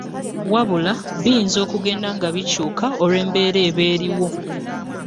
Wabula, biyinza okugenda nga bikyuka olw’embeera eba eriwo.